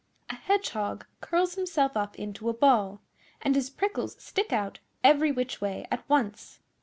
A Hedgehog curls himself up into a ball and his prickles stick out every which way at once.